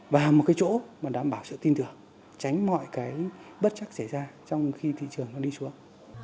và một cái chỗ mà đảm bảo sự tin tưởng tránh mọi cái bất chắc xảy ra trong khi thị trường nó đi xuống